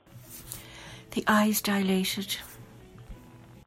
The eyes dilated.